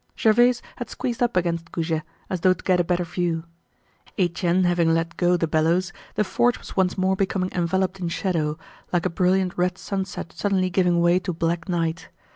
Gervaise had squeezed up against Goujet, as though to get a better view. Etienne having let go the bellows, the forge was once more becoming enveloped in shadow, like a brilliant red sunset suddenly giving way to black night.